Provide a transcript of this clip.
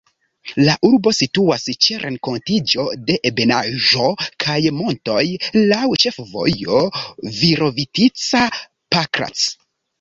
La urbo situas ĉe renkontiĝo de ebenaĵo kaj montoj, laŭ ĉefvojo Virovitica-Pakrac.